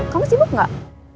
kamu sibuk gak